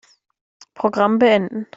Programm beenden.